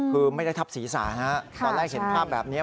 คือไม่ได้ทับศีรษะตอนแรกเห็นภาพแบบนี้